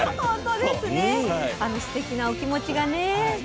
あのすてきなお気持ちがね。